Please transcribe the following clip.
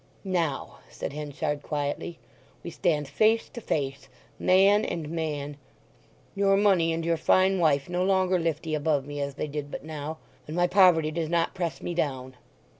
"Now," said Henchard quietly, "we stand face to face—man and man. Your money and your fine wife no longer lift 'ee above me as they did but now, and my poverty does not press me down."